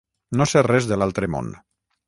No ser res de l'altre món.